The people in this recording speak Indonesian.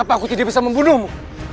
apa aku tidak bisa membunuhmu